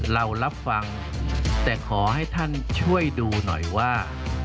เรารับฟังแต่ขอให้ท่านช่วยดูหน่อยว่า